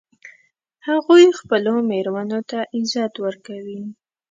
هغوی خپلو میرمنو ته عزت ورکوي